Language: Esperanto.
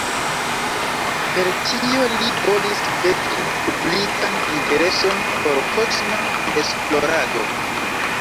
Per tio li volis veki publikan intereson por kosma esplorado.